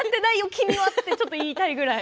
君はとちょっと言いたいぐらい。